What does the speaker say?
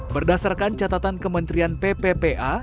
berdasarkan catatan kementerian pppa